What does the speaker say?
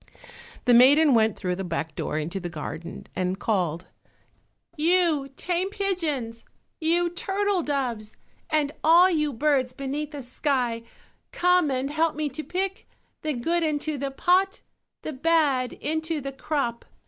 The maiden went through the back door into the garden, and called, "You tame pigeons, you turtle doves, and all you birds beneath the sky, come and help me to pick "The good into the pot, The bad into the crop."